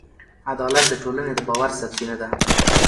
عدالت د ټولنې د باور سرچینه ده.